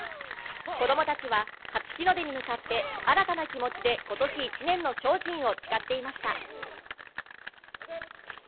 子供たちは初日の出に向かって新たな気持ちで今年１年の精進を誓っていました。